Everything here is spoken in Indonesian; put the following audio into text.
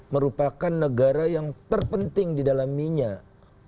merupakan negara yang terpenting di dalam minyak